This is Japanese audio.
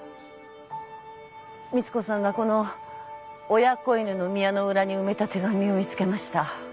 光子さんがこの親仔戌ノ宮の裏に埋めた手紙を見つけました。